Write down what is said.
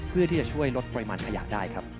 เพื่อที่จะช่วยลดปริมาณขยะได้ครับ